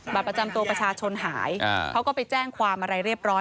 ประจำตัวประชาชนหายเขาก็ไปแจ้งความอะไรเรียบร้อย